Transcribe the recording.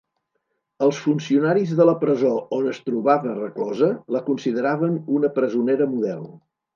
Els funcionaris de la presó on es trobava reclosa la consideraven una presonera model.